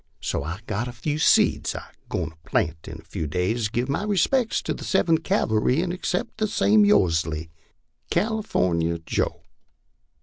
] so i got a few seads i going to plant in a few days give my respects to the 7th calvery and ex cept the same yoursly CALIFORNIA JOE.